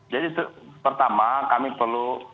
jadi pertama kami perlu